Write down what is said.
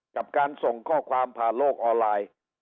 กับการส่งข้อความผ่านโลกออนไลน์